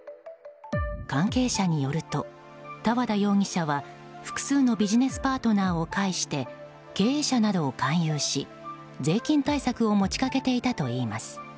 関係者によると多和田容疑者は複数のビジネスパートナーを介して経営者などを勧誘し税金対策を持ち掛けていたといいます。